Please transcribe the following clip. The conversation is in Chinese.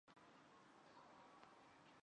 雷彦恭生年不详。